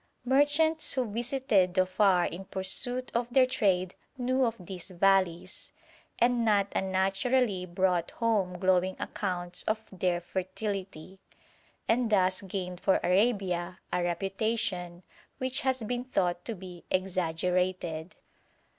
Merchants who visited Dhofar in pursuit of their trade knew of these valleys, and not unnaturally brought home glowing accounts of their fertility, and thus gained for Arabia a reputation which has been thought to be exaggerated.